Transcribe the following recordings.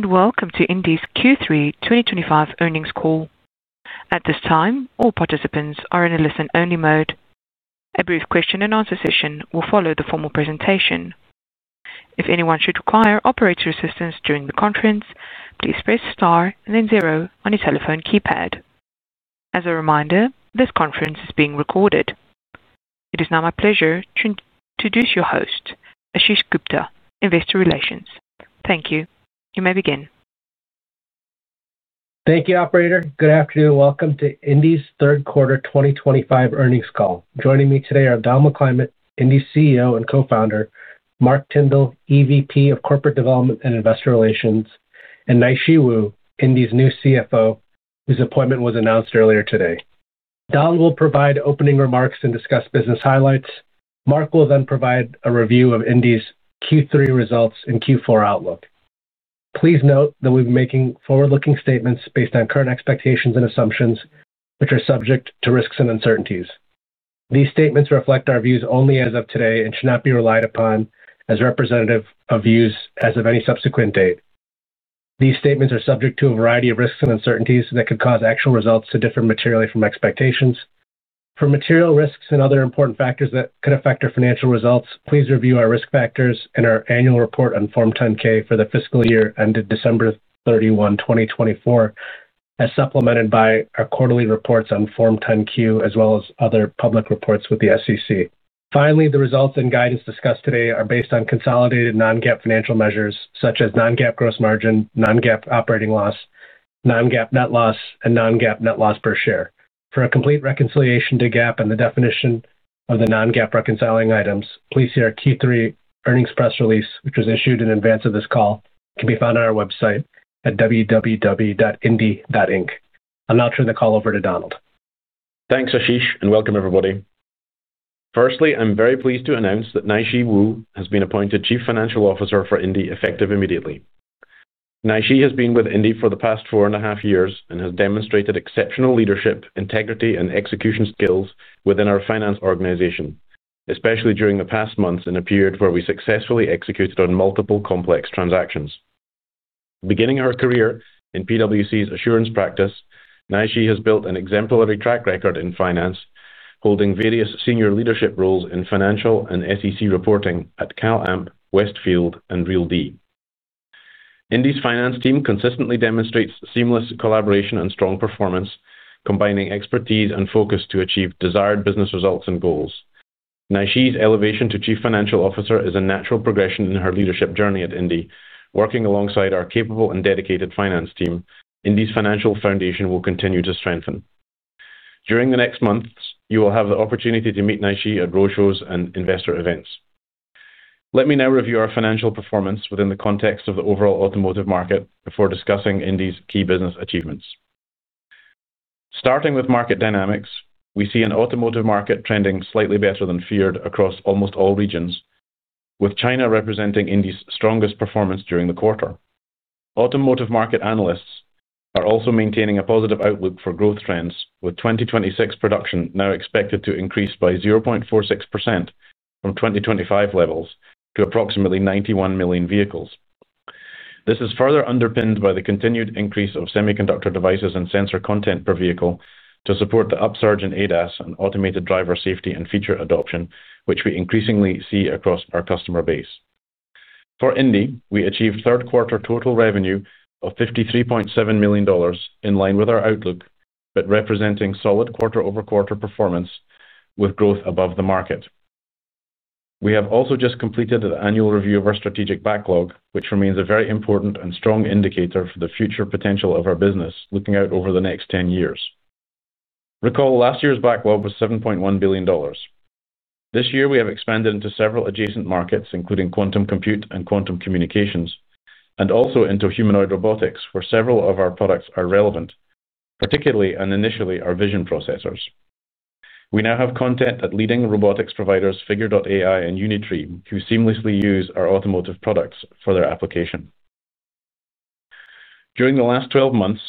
Welcome to Indie's Q3 2025 earnings call. At this time, all participants are in a listen-only mode. A brief question-and-answer session will follow the formal presentation. If anyone should require operator assistance during the conference, please press star and then zero on your telephone keypad. As a reminder, this conference is being recorded. It is now my pleasure to introduce your host, Ashish Gupta, Investor Relations. Thank you. You may begin. Thank you, Operator. Good afternoon. Welcome to Indie's third quarter 2025 earnings call. Joining me today are Don McClymont, Indie's CEO and co-founder, Mark Tyndall, EVP of Corporate Development and Investor Relations, and Naixi Wu, Indie's new CFO, whose appointment was announced earlier today. Don will provide opening remarks and discuss business highlights. Mark will then provide a review of Indie's Q3 results and Q4 outlook. Please note that we've been making forward-looking statements based on current expectations and assumptions, which are subject to risks and uncertainties. These statements reflect our views only as of today and should not be relied upon as representative of views as of any subsequent date. These statements are subject to a variety of risks and uncertainties that could cause actual results to differ materially from expectations. For material risks and other important factors that could affect our financial results, please review our risk factors and our annual report on Form 10-K for the fiscal year ended December 31, 2024, as supplemented by our quarterly reports on Form 10-Q, as well as other public reports with the SEC. Finally, the results and guidance discussed today are based on consolidated Non-GAAP financial measures such as Non-GAAP gross margin, Non-GAAP operating loss, Non-GAAP net loss, and Non-GAAP net loss per share. For a complete reconciliation to GAAP and the definition of the Non-GAAP reconciling items, please see our Q3 earnings press release, which was issued in advance of this call and can be found on our website at www.indie.com. I'll now turn the call over to Donald. Thanks, Ashish, and welcome, everybody. Firstly, I'm very pleased to announce that Naixi Wu has been appointed Chief Financial Officer for Indie effective immediately. Naixi has been with Indie for the past four and a half years and has demonstrated exceptional leadership, integrity, and execution skills within our finance organization, especially during the past months in a period where we successfully executed on multiple complex transactions. Beginning her career in PricewaterhouseCoopers' assurance practice, Naixi has built an exemplary track record in finance, holding various senior leadership roles in financial and SEC reporting at CalAmp, Westfield, and RealD. Indie's finance team consistently demonstrates seamless collaboration and strong performance, combining expertise and focus to achieve desired business results and goals. Naixi's elevation to Chief Financial Officer is a natural progression in her leadership journey at Indie. Working alongside our capable and dedicated finance team, Indie's financial foundation will continue to strengthen. During the next months, you will have the opportunity to meet Naixi at roadshows and investor events. Let me now review our financial performance within the context of the overall automotive market before discussing Indie's key business achievements. Starting with market dynamics, we see an automotive market trending slightly better than feared across almost all regions, with China representing Indie's strongest performance during the quarter. Automotive market analysts are also maintaining a positive outlook for growth trends, with 2026 production now expected to increase by 0.46% from 2025 levels to approximately 91 million vehicles. This is further underpinned by the continued increase of semiconductor devices and sensor content per vehicle to support the upsurge in ADAS and automated driver safety and feature adoption, which we increasingly see across our customer base. For Indie, we achieved third quarter total revenue of $53.7 million in line with our outlook, but representing solid quarter-over-quarter performance with growth above the market. We have also just completed the annual review of our strategic backlog, which remains a very important and strong indicator for the future potential of our business looking out over the next 10 years. Recall last year's backlog was $7.1 billion. This year, we have expanded into several adjacent markets, including quantum compute and quantum communications, and also into humanoid robotics, where several of our products are relevant, particularly and initially our vision processors. We now have content at leading robotics providers, Figure.ai and Unitree, who seamlessly use our automotive products for their application. During the last 12 months,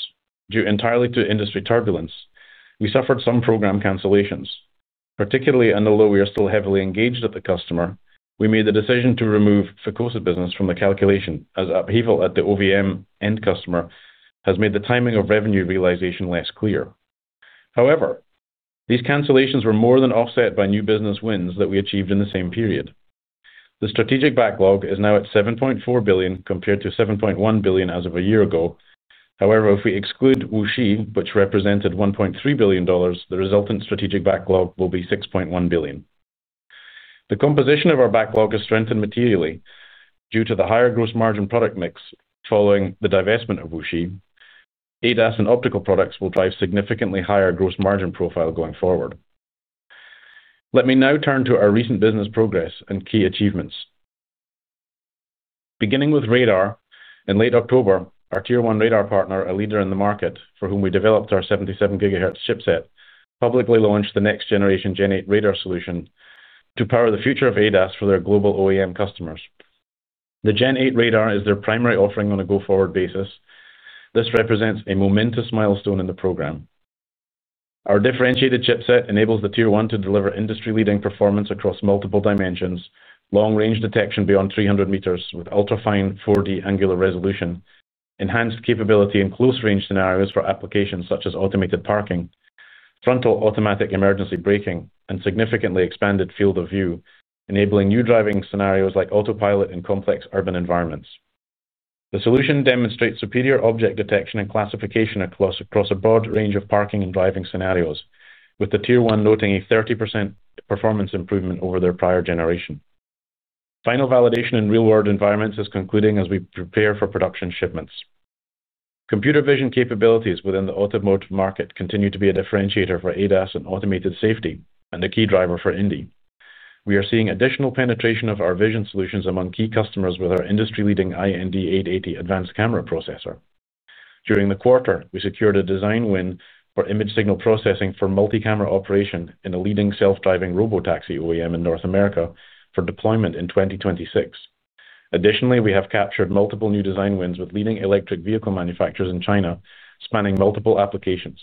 due entirely to industry turbulence, we suffered some program cancellations, particularly in the low year. Still heavily engaged at the customer, we made the decision to remove Fukosa business from the calculation as upheaval at the OVM end customer has made the timing of revenue realization less clear. However, these cancellations were more than offset by new business wins that we achieved in the same period. The strategic backlog is now at $7.4 billion compared to $7.1 billion as of a year ago. However, if we exclude Wuxi, which represented $1.3 billion, the resultant strategic backlog will be $6.1 billion. The composition of our backlog has strengthened materially due to the higher gross margin product mix following the divestment of Wuxi. ADAS and optical products will drive significantly higher gross margin profile going forward. Let me now turn to our recent business progress and key achievements. Beginning with radar, in late October, our tier one radar partner, a leader in the market for whom we developed our 77 GHz chipset, publicly launched the next generation Gen 8 radar solution to power the future of ADAS for their global OEM customers. The Gen 8 radar is their primary offering on a go-forward basis. This represents a momentous milestone in the program. Our differentiated chipset enables the tier one to deliver industry-leading performance across multiple dimensions, long-range detection beyond 300 meters with ultra-fine 4D angular resolution, enhanced capability in close-range scenarios for applications such as automated parking, frontal automatic emergency braking, and significantly expanded field of view, enabling new driving scenarios like autopilot in complex urban environments. The solution demonstrates superior object detection and classification across a broad range of parking and driving scenarios, with the tier one noting a 30% performance improvement over their prior generation. Final validation in real-world environments is concluding as we prepare for production shipments. Computer vision capabilities within the automotive market continue to be a differentiator for ADAS and automated safety and a key driver for Indie. We are seeing additional penetration of our vision solutions among key customers with our industry-leading IND880 advanced camera processor. During the quarter, we secured a design win for image signal processing for multi-camera operation in a leading self-driving robotaxi OEM in North America for deployment in 2026. Additionally, we have captured multiple new design wins with leading electric vehicle manufacturers in China, spanning multiple applications.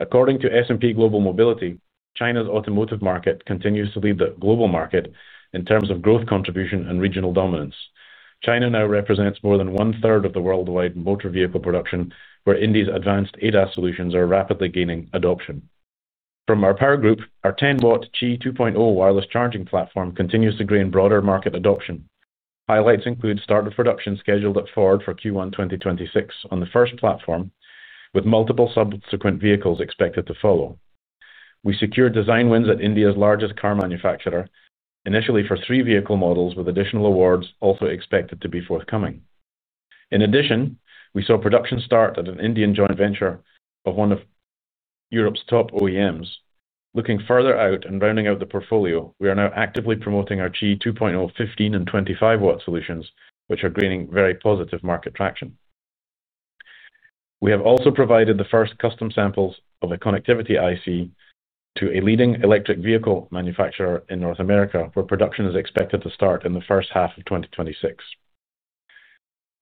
According to S&P Global Mobility, China's automotive market continues to lead the global market in terms of growth contribution and regional dominance. China now represents more than one-third of the worldwide motor vehicle production, where Indie's advanced ADAS solutions are rapidly gaining adoption. From our power group, our 10-watt Qi 2.0 wireless charging platform continues to gain broader market adoption. Highlights include start of production scheduled at Ford for Q1 2026 on the first platform, with multiple subsequent vehicles expected to follow. We secured design wins at India's largest car manufacturer, initially for three vehicle models, with additional awards also expected to be forthcoming. In addition, we saw production start at an Indian joint venture of one of Europe's top OEMs. Looking further out and rounding out the portfolio, we are now actively promoting our Qi 2.0 15 and 25-watt solutions, which are gaining very positive market traction. We have also provided the first custom samples of a connectivity IC to a leading electric vehicle manufacturer in North America, where production is expected to start in the first half of 2026.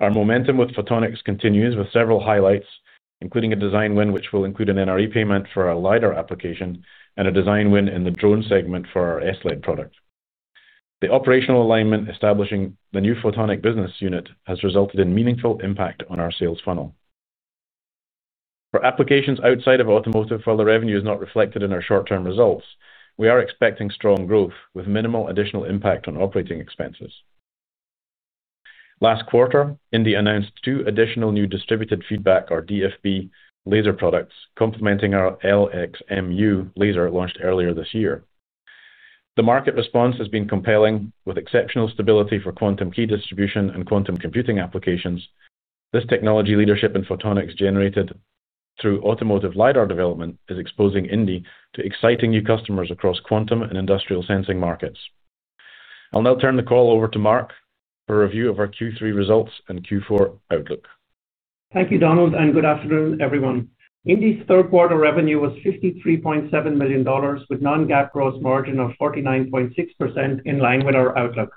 Our momentum with Photonics continues with several highlights, including a design win which will include an NRE payment for our LiDAR application and a design win in the drone segment for our SLED product. The operational alignment establishing the new Photonics business unit has resulted in meaningful impact on our sales funnel. For applications outside of automotive, while the revenue is not reflected in our short-term results, we are expecting strong growth with minimal additional impact on operating expenses. Last quarter, Indie announced two additional new distributed feedback, or DFB, laser products complementing our LXMU laser launched earlier this year. The market response has been compelling, with exceptional stability for quantum key distribution and quantum computing applications. This technology leadership in Photonics generated through automotive LiDAR development is exposing Indie to exciting new customers across quantum and industrial sensing markets. I'll now turn the call over to Mark for a review of our Q3 results and Q4 outlook. Thank you, Donald, and good afternoon, everyone. Indie's third quarter revenue was $53.7 million, with Non-GAAP gross margin of 49.6% in line with our outlook.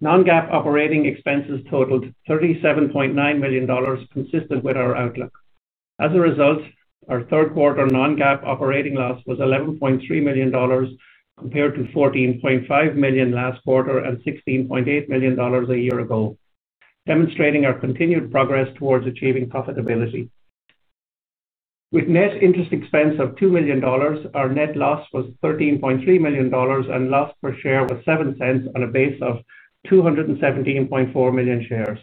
Non-GAAP operating expenses totaled $37.9 million, consistent with our outlook. As a result, our third quarter Non-GAAP operating loss was $11.3 million. Compared to $14.5 million last quarter and $16.8 million a year ago, demonstrating our continued progress towards achieving profitability. With net interest expense of $2 million, our net loss was $13.3 million, and loss per share was $0.07 on a base of 217.4 million shares.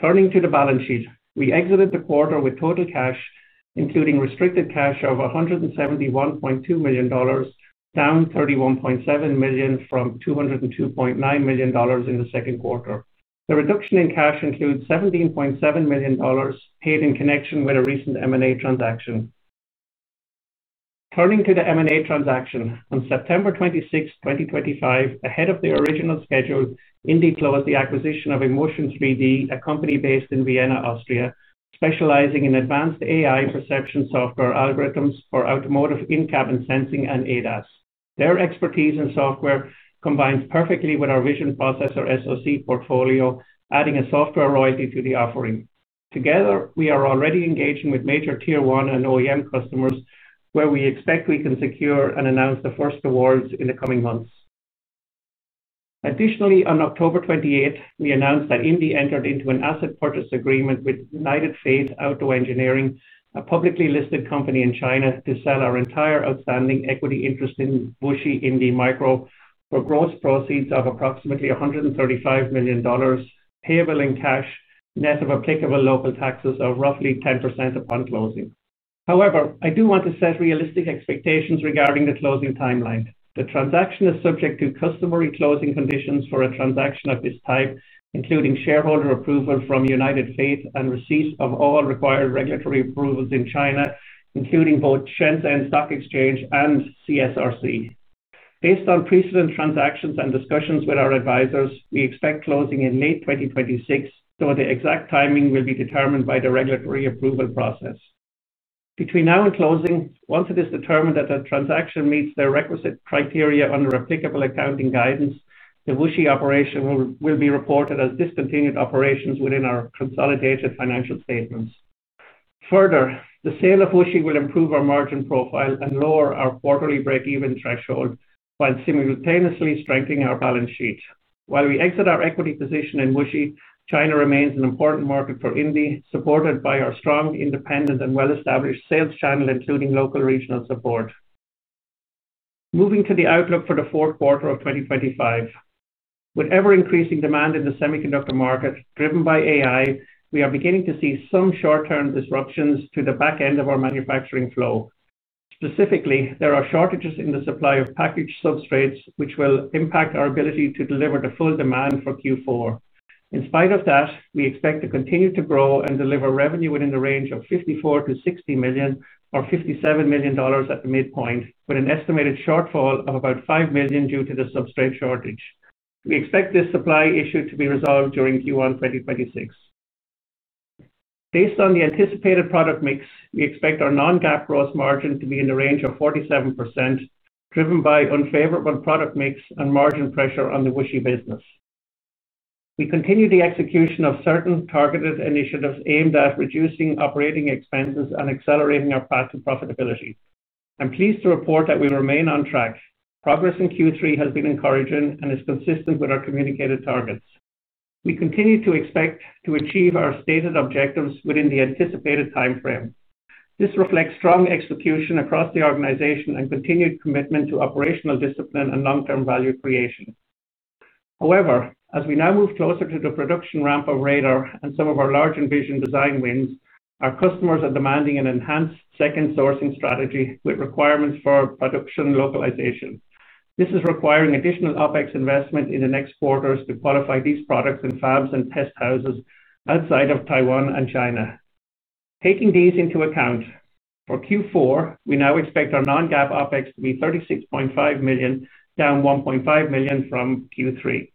Turning to the balance sheet, we exited the quarter with total cash, including restricted cash of $171.2 million, down $31.7 million from $202.9 million in the second quarter. The reduction in cash includes $17.7 million paid in connection with a recent M&A transaction. Turning to the M&A transaction, on September 26, 2025, ahead of the original schedule, Indie closed the acquisition of Emotion3D, a company based in Vienna, Austria, specializing in advanced AI perception software algorithms for automotive in-cabin sensing and ADAS. Their expertise in software combines perfectly with our vision processor SOC portfolio, adding a software royalty to the offering. Together, we are already engaging with major tier one and OEM customers, where we expect we can secure and announce the first awards in the coming months. Additionally, on October 28, we announced that Indie entered into an asset purchase agreement with United Fate Auto Engineering, a publicly listed company in China, to sell our entire outstanding equity interest in Wuxi Indie Micro for gross proceeds of approximately $135 million, payable in cash, net of applicable local taxes of roughly 10% upon closing. However, I do want to set realistic expectations regarding the closing timeline. The transaction is subject to customary closing conditions for a transaction of this type, including shareholder approval from United Fate and receipt of all required regulatory approvals in China, including both Shenzhen Stock Exchange and CSRC. Based on precedent transactions and discussions with our advisors, we expect closing in late 2026, though the exact timing will be determined by the regulatory approval process. Between now and closing, once it is determined that the transaction meets the requisite criteria under applicable accounting guidance, the Wuxi operation will be reported as discontinued operations within our consolidated financial statements. Further, the sale of Wuxi will improve our margin profile and lower our quarterly break-even threshold while simultaneously strengthening our balance sheet. While we exit our equity position in Wuxi, China remains an important market for Indie, supported by our strong, independent, and well-established sales channel, including local regional support. Moving to the outlook for the fourth quarter of 2025. With ever-increasing demand in the semiconductor market driven by AI, we are beginning to see some short-term disruptions to the back end of our manufacturing flow. Specifically, there are shortages in the supply of package substrates, which will impact our ability to deliver the full demand for Q4. In spite of that, we expect to continue to grow and deliver revenue within the range of $54 million-$60 million or $57 million at the midpoint, with an estimated shortfall of about $5 million due to the substrate shortage. We expect this supply issue to be resolved during Q1 2026. Based on the anticipated product mix, we expect our Non-GAAP gross margin to be in the range of 47%, driven by unfavorable product mix and margin pressure on the Wuxi business. We continue the execution of certain targeted initiatives aimed at reducing operating expenses and accelerating our path to profitability. I'm pleased to report that we remain on track. Progress in Q3 has been encouraging and is consistent with our communicated targets. We continue to expect to achieve our stated objectives within the anticipated timeframe. This reflects strong execution across the organization and continued commitment to operational discipline and long-term value creation. However, as we now move closer to the production ramp of radar and some of our large and vision design wins, our customers are demanding an enhanced second sourcing strategy with requirements for production localization. This is requiring additional OpEx investment in the next quarters to qualify these products in fabs and test houses outside of Taiwan and China. Taking these into account, for Q4, we now expect our Non-GAAP OpEx to be $36.5 million, down $1.5 million from Q3.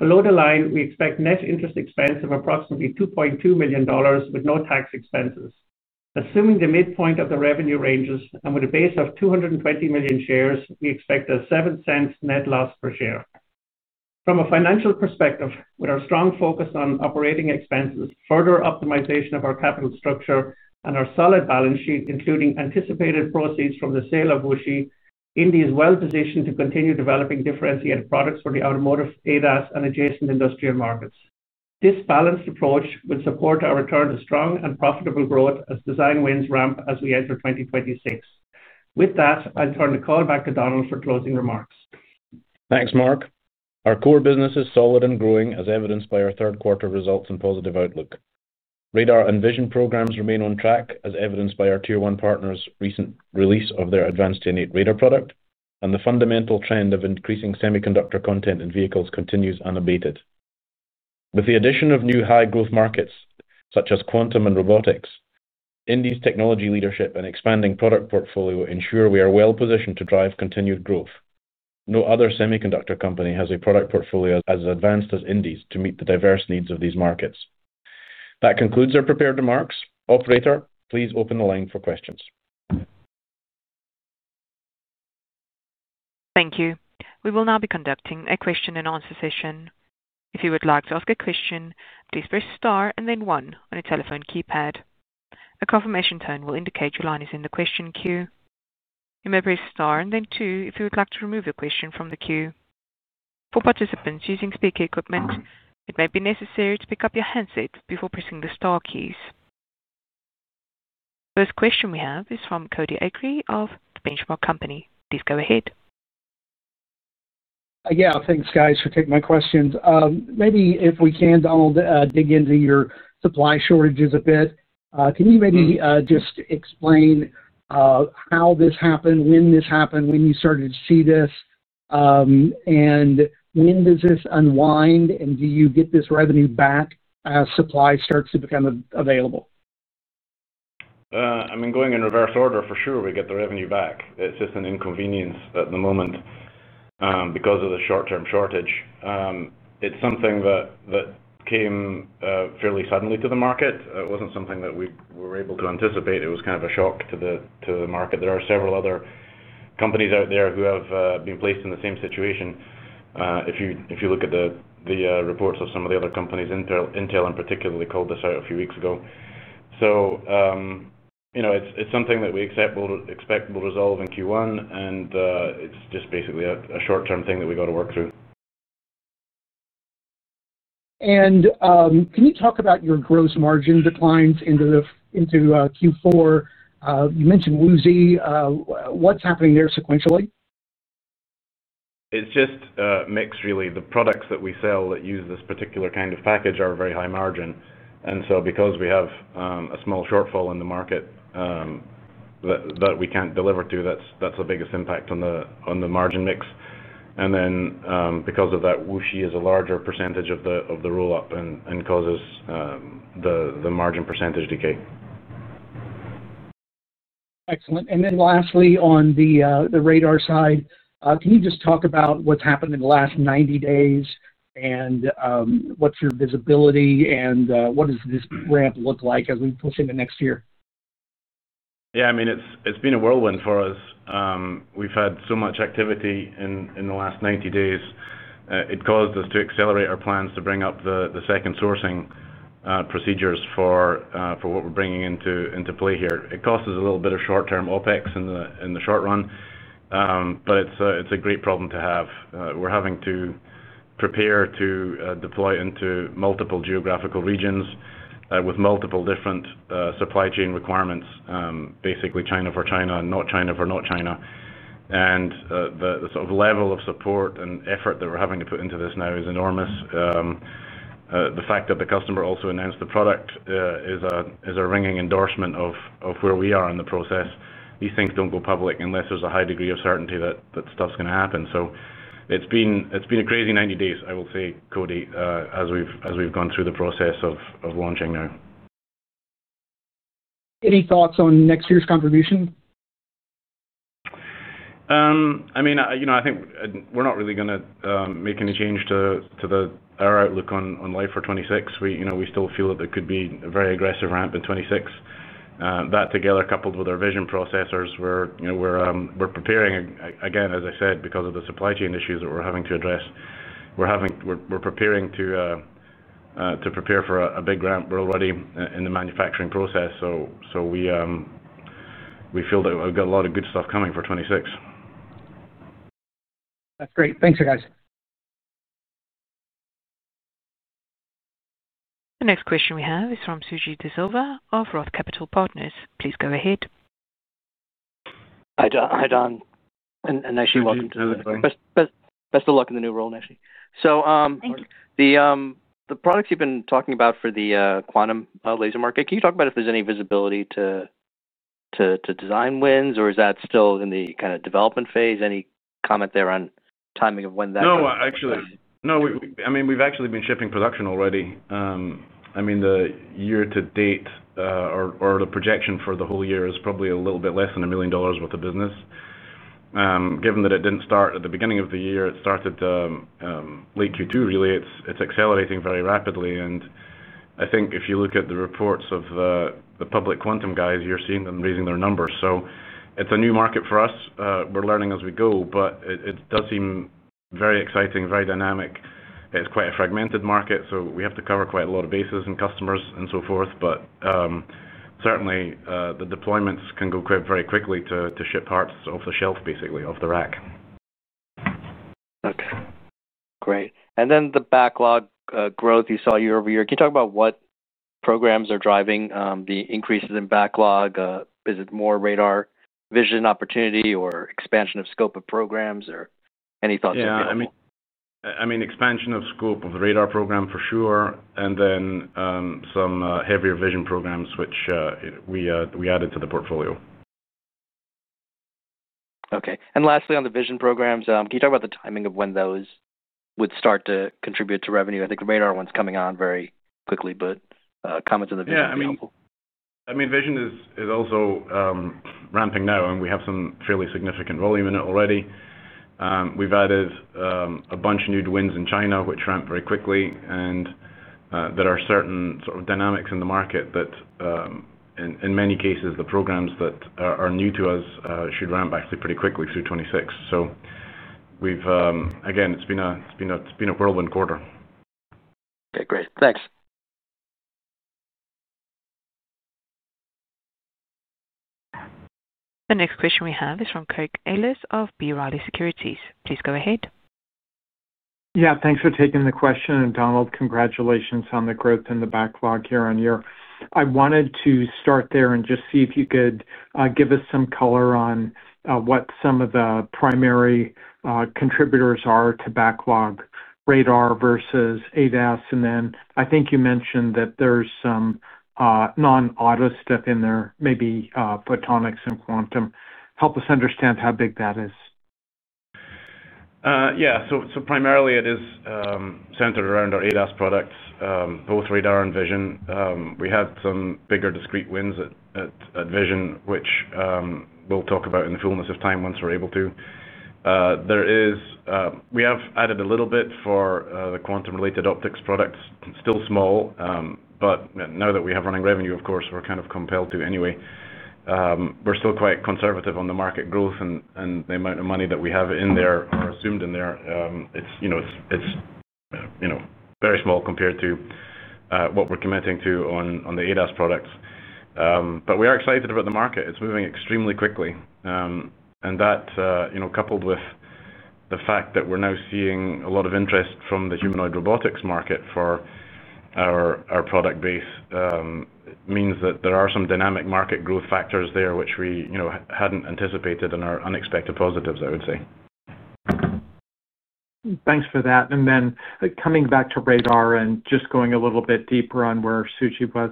Below the line, we expect net interest expense of approximately $2.2 million with no tax expenses. Assuming the midpoint of the revenue ranges and with a base of 220 million shares, we expect a $0.07 net loss per share. From a financial perspective, with our strong focus on operating expenses, further optimization of our capital structure, and our solid balance sheet, including anticipated proceeds from the sale of Wuxi, indie is well-positioned to continue developing differentiated products for the automotive, ADAS, and adjacent industrial markets. This balanced approach will support our return to strong and profitable growth as design wins ramp as we enter 2026. With that, I'll turn the call back to Donald for closing remarks. Thanks, Mark. Our core business is solid and growing, as evidenced by our third quarter results and positive outlook. Radar and vision programs remain on track, as evidenced by our tier one partner's recent release of their advanced Gen 8 radar product, and the fundamental trend of increasing semiconductor content in vehicles continues unabated. With the addition of new high-growth markets such as quantum and robotics, Indie's technology leadership and expanding product portfolio ensure we are well-positioned to drive continued growth. No other semiconductor company has a product portfolio as advanced as Indie's to meet the diverse needs of these markets. That concludes our prepared remarks. Operator, please open the line for questions. Thank you. We will now be conducting a question-and-answer session. If you would like to ask a question, please press Star and then One on your telephone keypad. A confirmation tone will indicate your line is in the question queue. You may press Star and then Two if you would like to remove your question from the queue. For participants using speaker equipment, it may be necessary to pick up your handset before pressing the Star keys. The first question we have is from Cody Acree of the Benchmark Company. Please go ahead. Yeah, thanks, guys, for taking my questions. Maybe, if we can, Donald, dig into your supply shortages a bit. Can you maybe just explain how this happened, when this happened, when you started to see this, and when does this unwind, and do you get this revenue back as supply starts to become available? I mean, going in reverse order, for sure, we get the revenue back. It's just an inconvenience at the moment. Because of the short-term shortage. It's something that came fairly suddenly to the market. It wasn't something that we were able to anticipate. It was kind of a shock to the market. There are several other companies out there who have been placed in the same situation. If you look at the reports of some of the other companies, Intel in particular, called this out a few weeks ago. It's something that we expect will resolve in Q1, and it's just basically a short-term thing that we've got to work through. Can you talk about your gross margin declines into Q4? You mentioned Wuxi. What's happening there sequentially? It's just a mix, really. The products that we sell that use this particular kind of package are very high margin. Because we have a small shortfall in the market that we can't deliver to, that's the biggest impact on the margin mix. Because of that, Wuxi is a larger percentage of the roll-up and causes the margin percentage decay. Excellent. Lastly, on the radar side, can you just talk about what's happened in the last 90 days and what's your visibility and what does this ramp look like as we push into next year? Yeah, I mean, it's been a whirlwind for us. We've had so much activity in the last 90 days. It caused us to accelerate our plans to bring up the second sourcing procedures for what we're bringing into play here. It costs us a little bit of short-term OpEx in the short run. It is a great problem to have. We're having to prepare to deploy into multiple geographical regions with multiple different supply chain requirements, basically China for China and not China for not China. The sort of level of support and effort that we're having to put into this now is enormous. The fact that the customer also announced the product is a ringing endorsement of where we are in the process. These things do not go public unless there's a high degree of certainty that stuff's going to happen. It's been a crazy 90 days, I will say, Cody, as we've gone through the process of launching now. Any thoughts on next year's contribution? I mean, I think we're not really going to make any change to our outlook on life for 2026. We still feel that there could be a very aggressive ramp in 2026. That together, coupled with our vision processors, we're preparing, again, as I said, because of the supply chain issues that we're having to address. We're preparing to prepare for a big ramp. We're already in the manufacturing process. We feel that we've got a lot of good stuff coming for 2026. That's great. Thanks, guys. The next question we have is from Suji Desilva of Roth Capital Partners. Please go ahead. Hi, Don. welcome to the new role. Best of luck in the new role, Naixi. So. Thank you. The products you've been talking about for the quantum laser market, can you talk about if there's any visibility to design wins, or is that still in the kind of development phase? Any comment there on timing of when that? No, actually. No, I mean, we've actually been shipping production already. I mean, the year-to-date or the projection for the whole year is probably a little bit less than $1 million worth of business. Given that it did not start at the beginning of the year, it started late Q2, really. It is accelerating very rapidly. I think if you look at the reports of the public quantum guys, you are seeing them raising their numbers. It is a new market for us. We are learning as we go, but it does seem very exciting, very dynamic. It is quite a fragmented market, so we have to cover quite a lot of bases and customers and so forth. Certainly, the deployments can go quite very quickly to ship parts off the shelf, basically, off the rack. Okay. Great. The backlog growth you saw year-over-year, can you talk about what programs are driving the increases in backlog? Is it more radar vision opportunity or expansion of scope of programs or any thoughts on that? Yeah. I mean, expansion of scope of the radar program for sure, and then some heavier vision programs which we added to the portfolio. Okay. Lastly, on the vision programs, can you talk about the timing of when those would start to contribute to revenue? I think the radar one's coming on very quickly, but comments on the vision would be helpful. Yeah. I mean, vision is also ramping now, and we have some fairly significant volume in it already. We've added a bunch of new twins in China, which ramped very quickly, and there are certain sort of dynamics in the market that, in many cases, the programs that are new to us should ramp actually pretty quickly through 2026. Again, it's been a whirlwind quarter. Okay. Great. Thanks. The next question we have is from Craig Ellis of B. Riley Securities. Please go ahead. Yeah. Thanks for taking the question, Donald. Congratulations on the growth in the backlog year on year. I wanted to start there and just see if you could give us some color on what some of the primary contributors are to backlog radar versus ADAS. I think you mentioned that there's some non-auto stuff in there, maybe photonics and quantum. Help us understand how big that is. Yeah. So primarily, it is centered around our ADAS products, both radar and vision. We had some bigger discrete wins at vision, which we will talk about in the fullness of time once we are able to. We have added a little bit for the quantum-related optics products. Still small, but now that we have running revenue, of course, we are kind of compelled to anyway. We are still quite conservative on the market growth, and the amount of money that we have in there or assumed in there, it is very small compared to what we are committing to on the ADAS products. We are excited about the market. It is moving extremely quickly. That, coupled with the fact that we are now seeing a lot of interest from the humanoid robotics market for. Our product base means that there are some dynamic market growth factors there which we hadn't anticipated and are unexpected positives, I would say. Thanks for that. Then coming back to radar and just going a little bit deeper on where Suji was.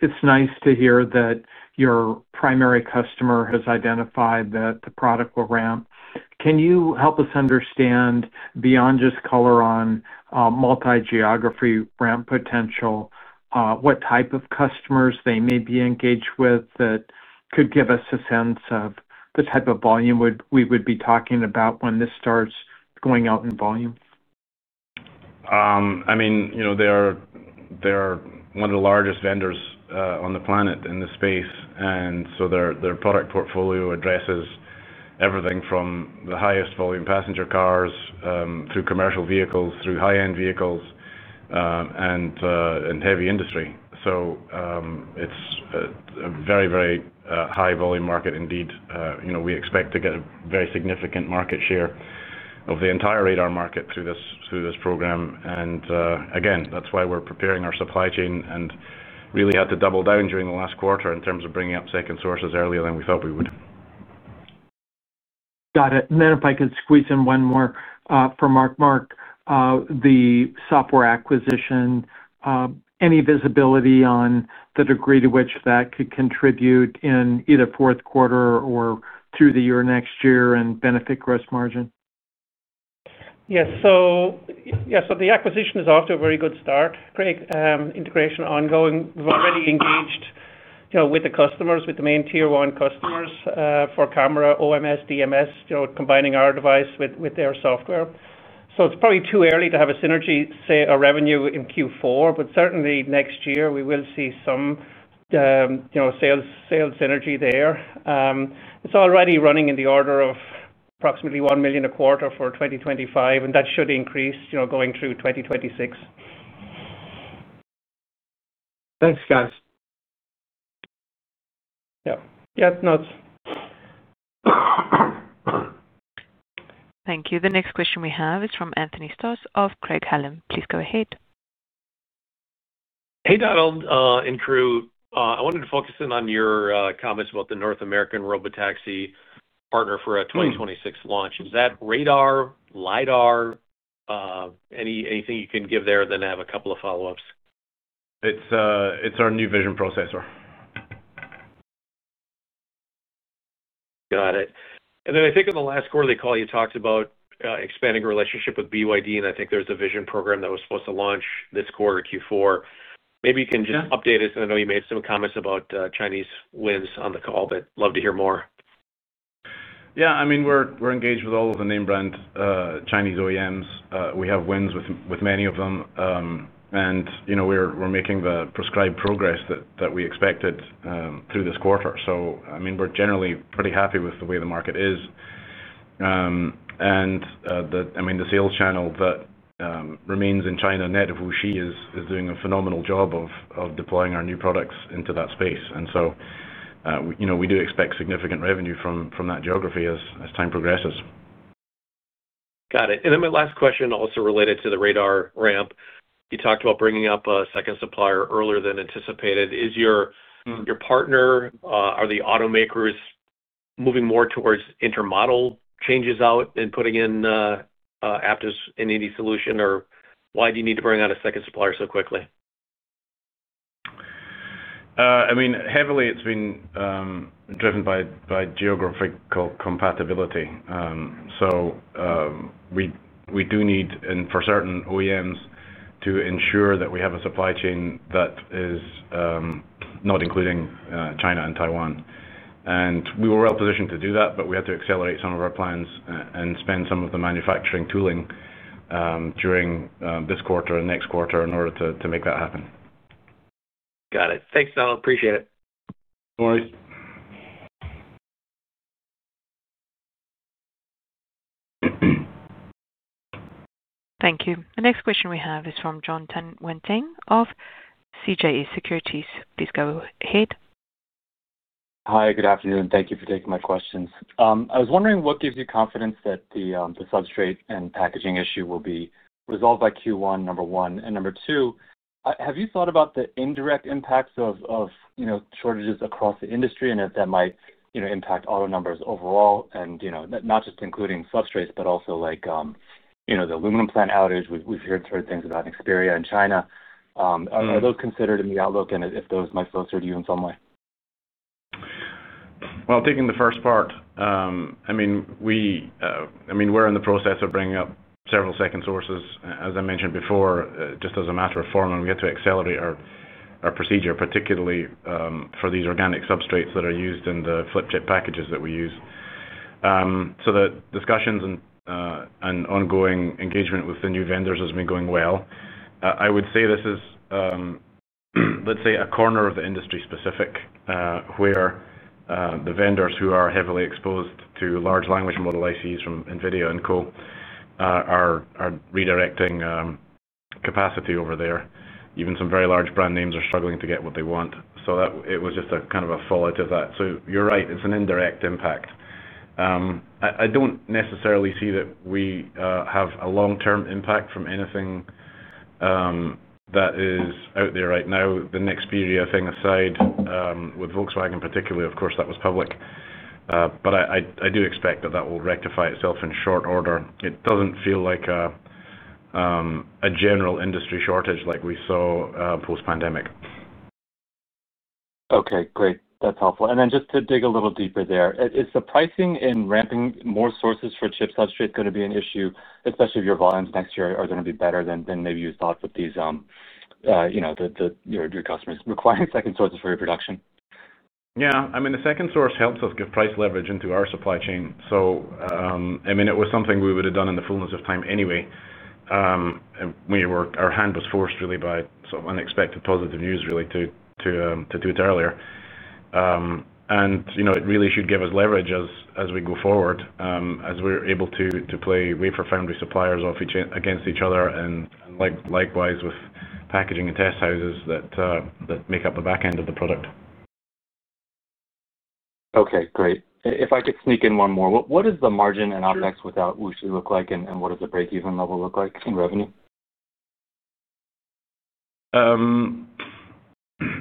It's nice to hear that your primary customer has identified that the product will ramp. Can you help us understand, beyond just color on multi-geography ramp potential, what type of customers they may be engaged with that could give us a sense of the type of volume we would be talking about when this starts going out in volume? I mean, they are. One of the largest vendors on the planet in this space. Their product portfolio addresses everything from the highest volume passenger cars through commercial vehicles through high-end vehicles and heavy industry. It is a very, very high-volume market indeed. We expect to get a very significant market share of the entire radar market through this program. Again, that is why we are preparing our supply chain and really had to double down during the last quarter in terms of bringing up second sources earlier than we thought we would. Got it. If I could squeeze in one more for Mark. Mark, the software acquisition. Any visibility on the degree to which that could contribute in either fourth quarter or through the year next year and benefit gross margin? Yeah. So. The acquisition is off to a very good start. Great integration ongoing. We've already engaged with the customers, with the main tier one customers for camera, OMS, DMS, combining our device with their software. It's probably too early to have a synergy, say, a revenue in Q4, but certainly next year, we will see some. Sales synergy there. It's already running in the order of approximately $1 million a quarter for 2025, and that should increase going through 2026. Thanks, guys. Yeah. Yeah. Thanks. Thank you. The next question we have is from Anthony Stoss of Craig-Hallum. Please go ahead. Hey, Donald and crew. I wanted to focus in on your comments about the North American robotaxi partner for a 2026 launch. Is that radar, LiDAR? Anything you can give there? Then I have a couple of follow-ups. It's our new vision processor. Got it. I think in the last quarterly call, you talked about expanding relationship with BYD, and I think there's a vision program that was supposed to launch this quarter, Q4. Maybe you can just update us. I know you made some comments about Chinese wins on the call, but love to hear more. Yeah. I mean, we're engaged with all of the name-brand Chinese OEMs. We have wins with many of them. We're making the prescribed progress that we expected through this quarter. I mean, we're generally pretty happy with the way the market is. The sales channel that remains in China, net of Wuxi, is doing a phenomenal job of deploying our new products into that space. We do expect significant revenue from that geography as time progresses. Got it. And then my last question also related to the radar ramp. You talked about bringing up a second supplier earlier than anticipated. Is your partner, are the automakers moving more towards intermodal changes out and putting in ADAS and AD solution? Or why do you need to bring out a second supplier so quickly? I mean, heavily, it's been driven by geographical compatibility. We do need, and for certain OEMs, to ensure that we have a supply chain that is not including China and Taiwan. We were well positioned to do that, but we had to accelerate some of our plans and spend some of the manufacturing tooling during this quarter and next quarter in order to make that happen. Got it. Thanks, Donald. Appreciate it. No worries. Thank you. The next question we have is from Jon Tanwanteng of CJS Securities. Please go ahead. Hi. Good afternoon. Thank you for taking my questions. I was wondering what gives you confidence that the substrate and packaging issue will be resolved by Q1, number one. Number two, have you thought about the indirect impacts of shortages across the industry and if that might impact auto numbers overall, and not just including substrates, but also the aluminum plant outage? We've heard things about Xperia in China. Are those considered in the outlook and if those might flow through to you in some way? Taking the first part, I mean, we're in the process of bringing up several second sources, as I mentioned before, just as a matter of form, and we have to accelerate our procedure, particularly for these organic substrates that are used in the flip-chip packages that we use. The discussions and ongoing engagement with the new vendors has been going well. I would say this is, let's say, a corner of the industry specific where the vendors who are heavily exposed to large language model ICs from NVIDIA and Co. are redirecting capacity over there. Even some very large brand names are struggling to get what they want. It was just a kind of a fallout of that. You're right, it's an indirect impact. I don't necessarily see that we have a long-term impact from anything that is out there right now. The Nexpedia thing aside, with Volkswagen particularly, of course, that was public. I do expect that that will rectify itself in short order. It does not feel like a general industry shortage like we saw post-pandemic. Okay. Great. That's helpful. Just to dig a little deeper there, is the pricing and ramping more sources for chip substrate going to be an issue, especially if your volumes next year are going to be better than maybe you thought with these? Your customers requiring second sources for your production? Yeah. I mean, the second source helps us give price leverage into our supply chain. I mean, it was something we would have done in the fullness of time anyway. Our hand was forced, really, by some unexpected positive news, really, to do it earlier. It really should give us leverage as we go forward, as we're able to play suppliers against each other, and likewise with packaging and test houses that make up the back end of the product. Okay. Great. If I could sneak in one more, what does the margin and OpEx without Wuxi look like, and what does the break-even level look like in revenue?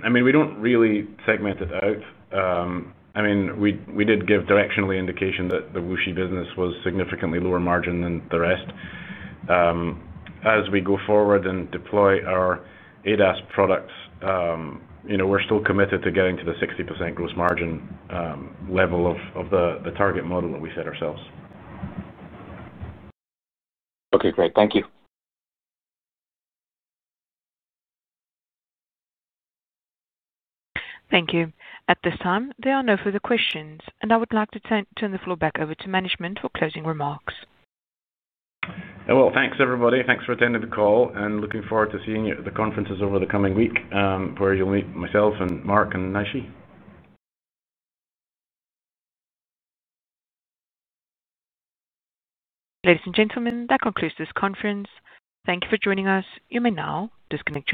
I mean, we do not really segment it out. I mean, we did give directionally indication that the Wuxi business was significantly lower margin than the rest. As we go forward and deploy our ADAS products, we are still committed to getting to the 60% gross margin level of the target model that we set ourselves. Okay. Great. Thank you. Thank you. At this time, there are no further questions, and I would like to turn the floor back over to management for closing remarks. Thanks, everybody. Thanks for attending the call, and looking forward to seeing you at the conferences over the coming week where you'll meet myself and Mark and Naixi. Ladies and gentlemen, that concludes this conference. Thank you for joining us. You may now disconnect.